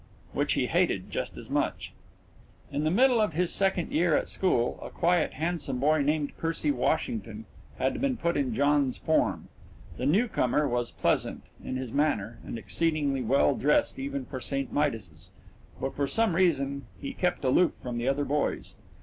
which he hated just as much. In the middle of his second year at school, a quiet, handsome boy named Percy Washington had been put in John's form. The new comer was pleasant in his manner and exceedingly well dressed even for St. Midas's, but for some reason he kept aloof from the other boys.